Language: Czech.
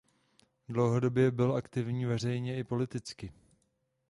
Dlouhodobě byl aktivní veřejně i politicky.